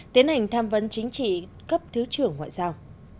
tiến hành tham vấn chính trị cấp thứ trưởng ngoại giao